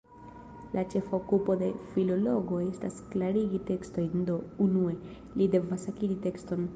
La ĉefa okupo de filologo estas klarigi tekstojn, do, unue, li devas akiri tekston.